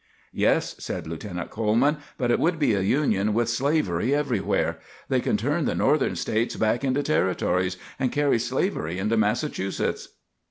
"Yes," said Lieutenant Coleman, "but it would be a Union with slavery everywhere. They can turn the Northern States back into Territories, and carry slavery into Massachusetts."